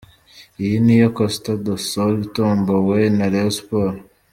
Iyi niyo Costa do Sol itombowe na Rayon Sports.